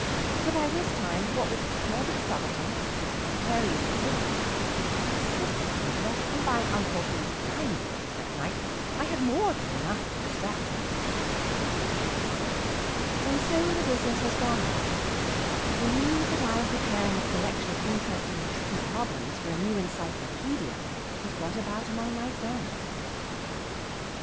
For by this time, what with Herbert's subaltern, Carey's pawn, and a cistern left me by an uncle who was dining with us that night, I had more than enough to distract me. And so the business has gone on. The news that I am preparing a collection of interesting and tricky problems for a new "Encyclopaedia" has got about among my friends.